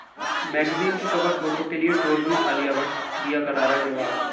magazine की cover photo के लिए ट्रोल हुईं आलिया भट्ट, दिया करारा जवाब